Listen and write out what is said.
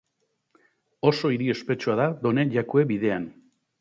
Oso hiri ospetsua da Done Jakue Bidean.